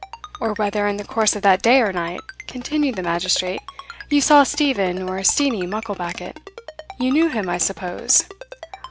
"Or whether, in the course of that day or night," continued the magistrate, "you saw Steven, or Steenie, Mucklebackit? you knew him, I suppose?"